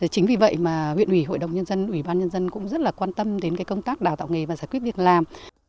chính vì vậy mà huyện ủy hội đồng nhân dân ủy ban nhân dân cũng rất là quan tâm đến công tác đào tạo nghề và giải quyết việc làm